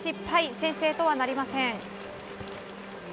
先制とはなりません。